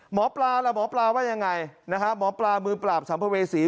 หมอปลาล่ะหมอปลาว่ายังไงนะฮะหมอปลามือปราบสัมภเวษี